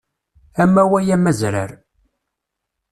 Amaway amazrar.